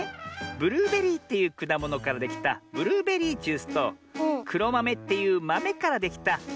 ブルーベリーっていうくだものからできたブルーベリージュースとくろまめっていうまめからできたくろまめジュースだよ。